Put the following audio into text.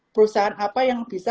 perusahaan apa yang bisa